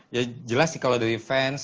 ya jelas sih kalau dari fans